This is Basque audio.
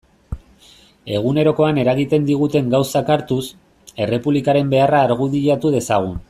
Egunerokoan eragiten diguten gauzak hartuz, Errepublikaren beharra argudiatu dezagun.